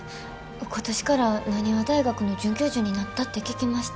今年から浪速大学の准教授になったって聞きました。